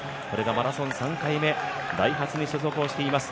マラソン３回目、ダイハツに所属をしています